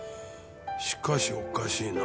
しかしおかしいな。